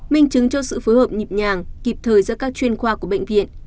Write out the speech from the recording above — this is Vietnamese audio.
minh chứng cho sự phối hợp nhịp nhàng kịp thời giữa các chuyên khoa của bệnh viện